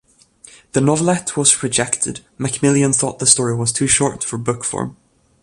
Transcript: The novelette was rejected; Macmillan thought the story was too short for book form.